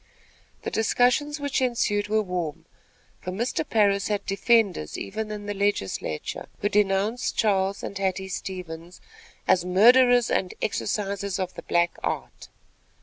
The discussions which ensued were warm, for Mr. Parris had defenders even in the legislature, who denounced Charles and Hattie Stevens "as murderers and exercisers of the black art."